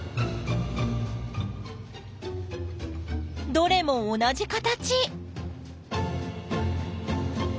どれも同じ形！